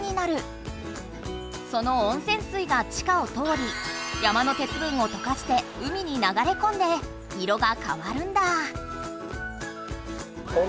その温泉水が地下を通り山の鉄分をとかして海に流れこんで色がかわるんだ。